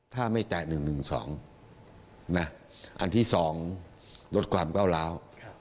ถ้าไม่แตะ๑๑๒อันที่๒ลดความก้าวร้าว